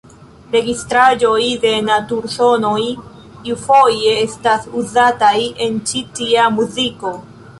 Registraĵoj de natur-sonoj iufoje estas uzataj en ĉi tia muziko.